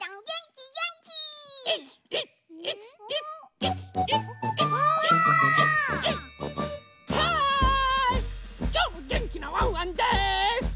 きょうもげんきなワンワンです！